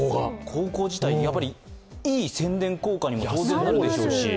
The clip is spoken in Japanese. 高校自体、いい宣伝効果にも当然なるでしょうし。